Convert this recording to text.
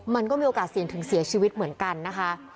มันก็มีโอกาสเสี่ยงถึงเสียชีวิตเหมือนกันนะคะ